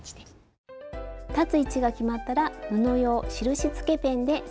スタジオ裁つ位置が決まったら布用印つけペンで線を引いていきます。